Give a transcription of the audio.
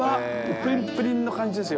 プリンプリンな感じですよ。